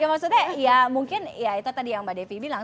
maksudnya ya mungkin ya itu tadi yang mbak devi bilang